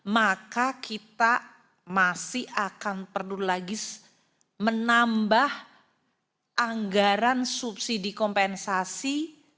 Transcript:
maka kita masih akan perlu lagi menambah anggaran subsidi kompensasi